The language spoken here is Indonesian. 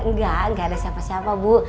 enggak enggak ada siapa siapa bu